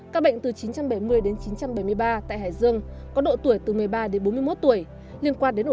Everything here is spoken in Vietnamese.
các bệnh từ chín trăm bảy mươi đến chín trăm bảy mươi ba tại hải dương có độ tuổi từ một mươi ba đến bốn mươi bốn